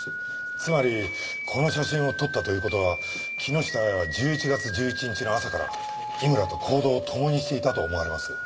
つまりこの写真を撮ったという事は木下亜矢は１１月１１日の朝から井村と行動を共にしていたと思われます。